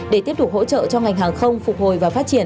để tiếp tục hỗ trợ cho ngành hàng không phục hồi và phát triển